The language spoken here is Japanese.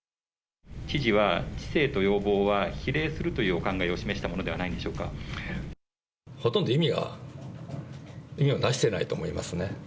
知事は、知性と容貌は比例するというお考えを示したものではないんでしょほとんど意味は、意味をなしてないと思いますね。